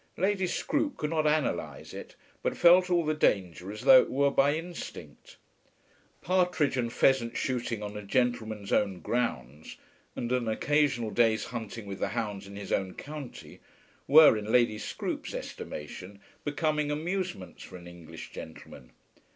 Lady Scroope could not analyse it, but felt all the danger as though it were by instinct. Partridge and pheasant shooting on a gentleman's own grounds, and an occasional day's hunting with the hounds in his own county, were, in Lady Scroope's estimation, becoming amusements for an English gentleman.